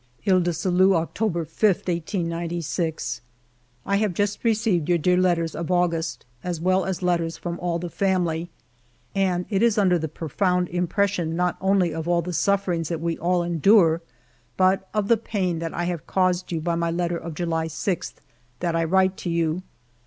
Iles du Salut, October 5, 1896. " I have just received your dear letters of August, as well as letters from all the family, and it is under the profound impression not only of all the sufferings that we all endure, but of the pain that I have caused you by my letter of July 6, that I write to you.